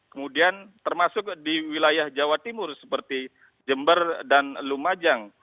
kemudian termasuk di wilayah jawa timur seperti jember dan lumajang